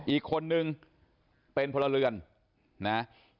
อีกคนนึงเป็นพลเรือนนะ